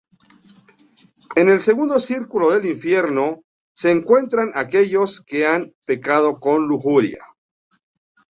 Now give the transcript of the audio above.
En el segundo círculo del Infierno se encuentran aquellos que han pecado de lujuria.